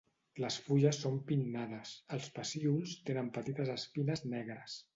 Les fulles són pinnades, els pecíols tenen petites espines negres.